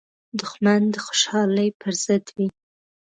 دښمن د خوشحالۍ پر ضد وي